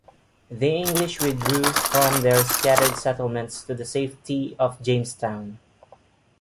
The English withdrew from their scattered settlements to the safety of Jamestown.